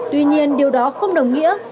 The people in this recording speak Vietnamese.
tuy nhiên điều đó không đồng nghĩa